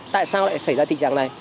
tại sao lại xảy ra tình trạng này